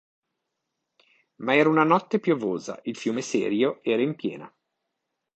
Ma era una notte piovosa, il fiume Serio era in piena.